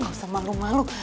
gak usah malu malu